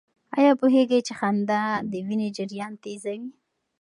آیا پوهېږئ چې خندا د وینې جریان تېزوي؟